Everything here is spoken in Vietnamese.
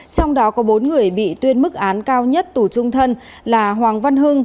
trong đó có bốn người bị tuyên mức án cao nhất tù trung thân là hoàng văn hưng